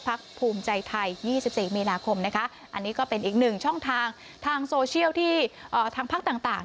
เป็นอีกหนึ่งช่องทางทางโซเชียลที่ทางภาคต่าง